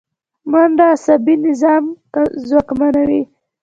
منډه عصبي نظام ځواکمنوي